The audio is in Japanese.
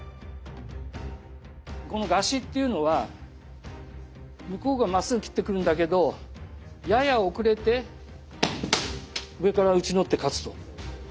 この合撃っていうのは向こうがまっすぐ斬ってくるんだけどやや遅れて上から打ち取って勝つと。は。